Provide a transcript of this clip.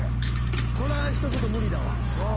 これはひと言無理だわうん